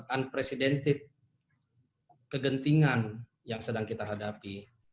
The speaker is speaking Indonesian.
unprecedented kegentingan yang sedang kita hadapi